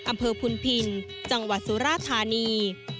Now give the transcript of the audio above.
อำเภอพุนพินจังหวัดสุราธานี